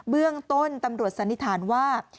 เบื้องต้นตำรวจสันนิษฐานว่า